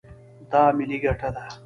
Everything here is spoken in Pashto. دا ملي ګټه ده.